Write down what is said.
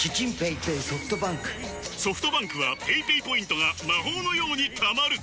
ソフトバンクはペイペイポイントが魔法のように貯まる！